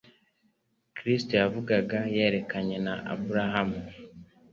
Kristo yavugaga yerekeranye na Aburahamu.